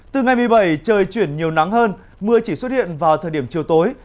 từ ngày một mươi bảy trời chuyển nhiều nắng hơn mưa chỉ xuất hiện vào thời điểm chiều tối